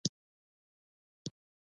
نوی رنګ تازه احساس ورکوي